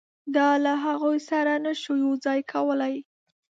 دا له هغوی سره نه شو یو ځای کولای.